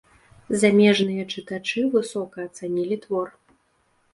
Замежныя чытачы высока ацанілі твор.